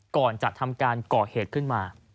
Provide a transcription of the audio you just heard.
ก่อนจะทำการก่อเหตุขึ้นมา